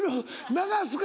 流すか？